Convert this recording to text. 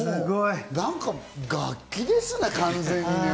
何か楽器ですね、完全に。